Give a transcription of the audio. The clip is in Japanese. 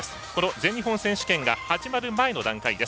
全日本選手権が始まる前の段階です。